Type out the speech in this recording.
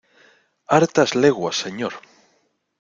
¡ hartas leguas, señor!